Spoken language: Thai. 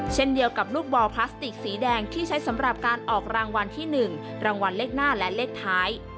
เช่นเดียวกับลูกบอลพลาสติกสีแดงที่ใช้สำหรับการออกรางวัลที่๑รางวัลเลขหน้าและเลขท้าย